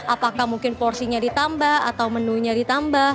apakah mungkin porsinya ditambah atau menunya ditambah